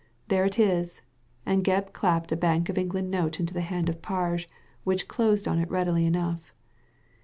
There it is ;" and Gebb clapped a Bank of England note into the hand of Parge, which closed on it readily enough.